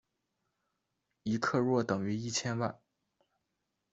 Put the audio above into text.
一克若等于一千万。